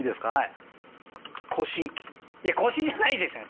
いや「腰」じゃないですよね！